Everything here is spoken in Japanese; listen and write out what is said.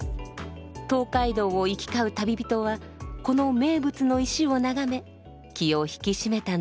東海道を行き交う旅人はこの名物の石を眺め気を引き締めたんでしょうね。